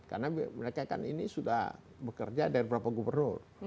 karena mereka kan ini sudah bekerja dari beberapa gubernur